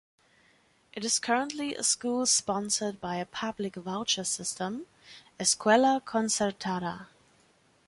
It is currently a school sponsored by a public voucher system (“escuela concertada”).